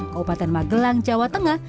kabupaten magelang jawa tengah